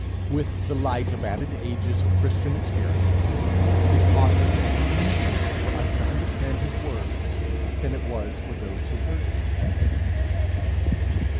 With the light of added ages of Christian experience, it ought to be easier for us to understand his words than it was for those who heard him.